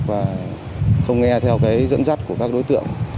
và không nghe theo cái dẫn dắt của các đối tượng